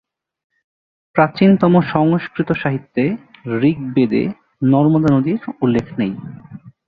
প্রাচীনতম সংস্কৃত সাহিত্য "ঋগ্বেদে", নর্মদা নদীর উল্লেখ নেই।